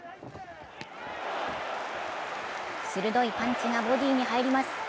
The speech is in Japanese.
鋭いパンチがボディに入ります。